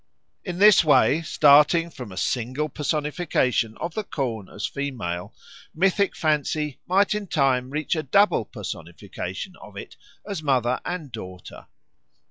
In this way, starting from a single personification of the corn as female, mythic fancy might in time reach a double personification of it as mother and daughter.